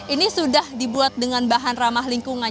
ini sudah dibuat dengan bahan ramah lingkungan